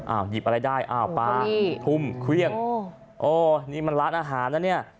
หยิบอะไรได้อ้าวปลาทุ่มเครื่องโอ้นี่มันร้านอาหารนะเนี่ย